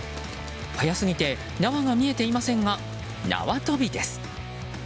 速すぎて縄が見えていませんが縄跳びです。